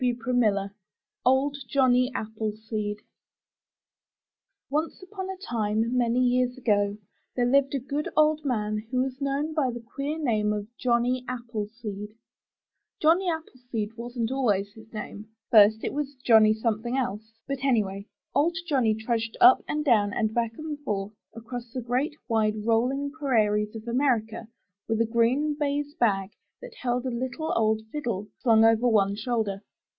351 MY BOOK HOUSE OLD JOHNNY APPLESEED Once upon a time many years ago, there lived a good old man who was known by the queer name of ''Johnny Appleseed/' Johnny Appleseed wasn't always his name; first it was Johnny Some Thing Else; but, anyway, old Johnny trudged up and down and back and forth across the great, wide, rolling prairies of America, with a green baize bag that held a little old fiddle, slung over one shoulder.